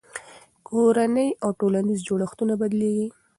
کورنۍ او ټولنیز جوړښتونه بدلېږي.